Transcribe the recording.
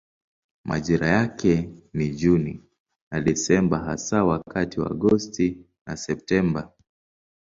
Majira yake ni Juni na Desemba hasa wakati wa Agosti na Septemba.